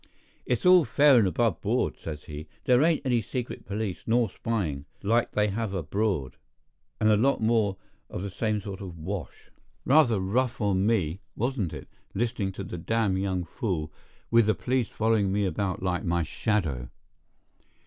"It's all fair and above board," says he; "there ain't any secret police, nor spying, like they have abroad," and a lot more of the same sort of wash. Rather rough on me, wasn't it, listening to the damned young fool, with the police following me about like my shadow?